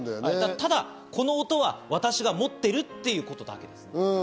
ただ、この音は私が持っているということなんです。